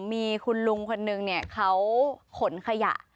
มีคุณลุงคนหนึ่งเขาขนขยะ